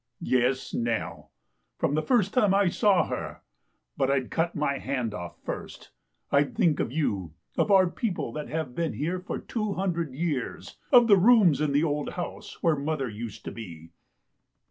" Yes, Nell. From the first time I saw her. But I'd cut my hand off first. I'd think of you; of our peo ple that have been here for two hundred years ; of the rooms in the old house where mother used to be."